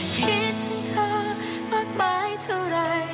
คิดถึงเธอมากมายเท่าไร